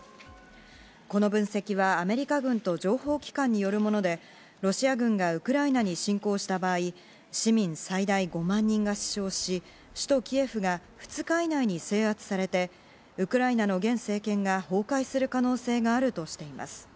この分析は、アメリカ軍と情報機関によるものでロシア軍がウクライナに侵攻した場合市民最大５万人が死傷し首都キエフが２日以内に制圧されてウクライナの現政権が崩壊する可能性があるとしています。